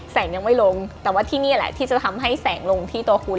แสงยังไม่ลงแต่ว่าที่นี่แหละที่จะทำให้แสงลงที่ตัวคุณ